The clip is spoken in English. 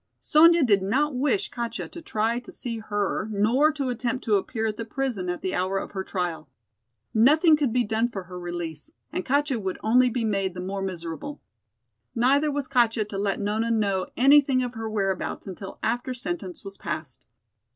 Sonya did not wish Katja to try to see her nor to attempt to appear at the prison at the hour of her trial. Nothing could be done for her release and Katja would only be made the more miserable. Neither was Katja to let Nona know anything of her whereabouts until after sentence was passed.